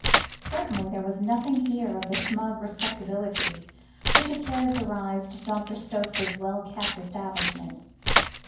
Certainly there was nothing here of the smug respectability which had characterised Dr. Stokes's well kept establishment.